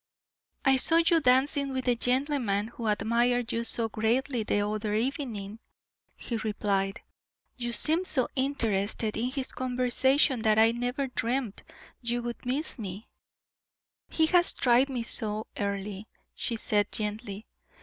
"I saw you dancing with the gentleman who admired you so greatly the other evening," he replied. "You seemed so interested in his conversation that I never dreamed you would miss me." "He has tried me so, Earle," she said, gently.